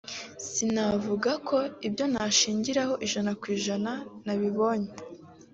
“Sinavuga ko ibyo nashingiragaho ijana ku ijana nabibonye